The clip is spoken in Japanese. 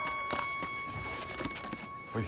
はい。